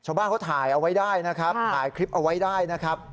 ชาวบ้านเขาถ่ายเอาไว้ได้นะครับถ่ายคลิปเอาไว้ได้นะครับ